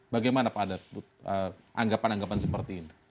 bagaimana pak ada anggapan anggapan seperti itu